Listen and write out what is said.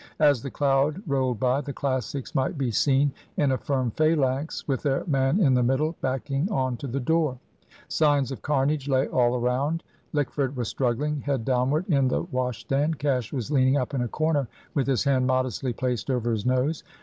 As the cloud rolled by, the Classics might be seen in a firm phalanx, with their man in the middle, backing on to the door. Signs of carnage lay all around. Lickford was struggling, head downward, in the wash stand. Cash was leaning up in a corner, with his hand modestly placed over his nose.